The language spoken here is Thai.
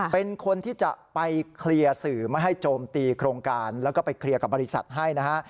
เป็นคนที่จะไปเคลียร์สื่อไม่ให้โจมตีโครงการแล้วก็ไปเคลียร์กับบริษัทให้นะฮะ